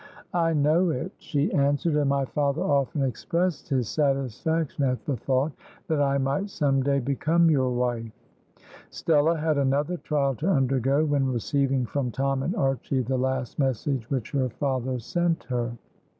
"I know it," she answered, "and my father often expressed his satisfaction at the thought that I might some day become your wife." Stella had another trial to undergo when receiving from Tom and Archy the last message which her father sent her.